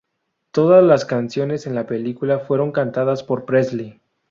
Todas las canciones en la película fueron cantadas por Presley.